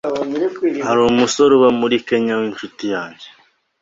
hari umusore uba muri Kenya wincuti yanjye